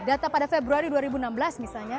data pada februari dua ribu enam belas misalnya